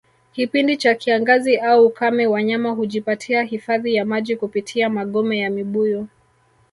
Kipindi cha kiangazi au ukame Wanyama hujipatia hifadhi ya maji kupitia magome ya mibuyu